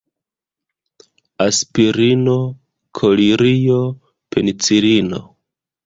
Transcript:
Aspirino, kolirio, penicilino.